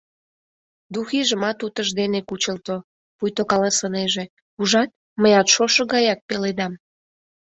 Духижымат утыждене кучылто, пуйто каласынеже: «Ужат, мыят шошо гаяк пеледам!»